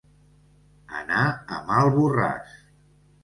Anar a mal borràs.